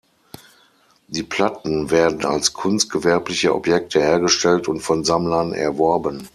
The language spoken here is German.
Die Platten werden als kunstgewerbliche Objekte hergestellt und von Sammlern erworben.